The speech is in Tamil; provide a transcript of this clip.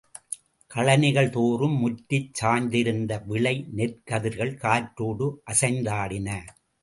கழனிகள் தோறும் முற்றிச் சாய்ந்திருந்த விளை நெற்கதிர்கள் காற்றோடு அசைந்தாடின.